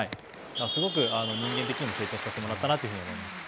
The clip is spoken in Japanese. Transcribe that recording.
すごく人間的にも成長させてもらったなと思います。